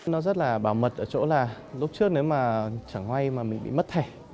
nó rất là bảo mật ở chỗ là lúc trước nếu mà chẳng may mà mình bị mất thẻ